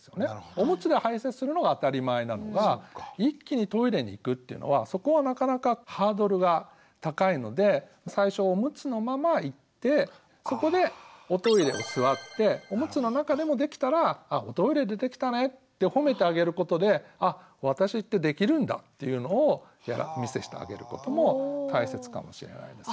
オムツで排泄するのが当たり前なのが一気にトイレに行くっていうのはそこはなかなかハードルが高いので最初オムツのまま行ってそこでおトイレに座ってオムツの中でもできたら「あっおトイレでできたね」って褒めてあげることであっ私ってできるんだっていうのを見せてあげることも大切かもしれないですね。